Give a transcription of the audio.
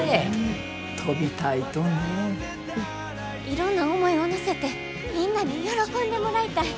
いろんな思いを乗せてみんなに喜んでもらいたい。